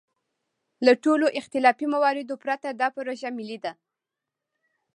له ټولو اختلافي مواردو پورته دا پروژه ملي ده.